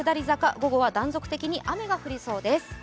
午後は断続的に雨が降りそうです。